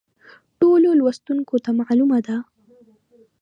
ټولو لوستونکو ته معلومه ده.